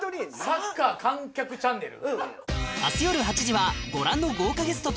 サッカー観客チャンネル。